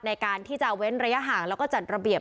ในการที่จะเว้นระยะห่างแล้วก็จัดระเบียบ